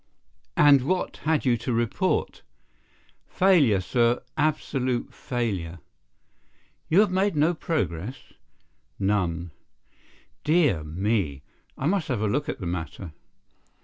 "And what had you to report?" "Failure, sir, absolute failure." "You have made no progress?" "None." "Dear me! I must have a look at the matter."